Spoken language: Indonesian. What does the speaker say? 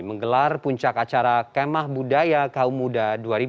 menggelar puncak acara kemah budaya kaum muda dua ribu dua puluh